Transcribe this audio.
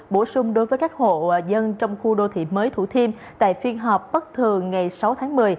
bổ sung đối với các hộ dân trong khu đô thị mới thủ thiêm tại phiên họp bất thường ngày sáu tháng một mươi